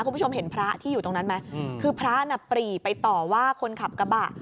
คุณผู้ชมเห็นพระที่อยู่ตรงนั้นไหมคือพระน่ะปรีไปต่อว่าคนขับกระบะ